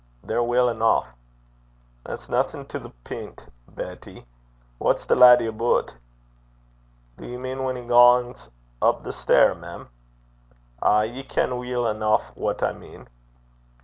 They're weel eneuch.' 'That's naething to the pint, Betty. What's the laddie aboot?' 'Do ye mean whan he gangs up the stair, mem?' 'Ay. Ye ken weel eneuch what I mean.'